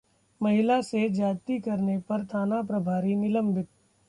महिला से ज्यादती करने पर थाना प्रभारी निलंबित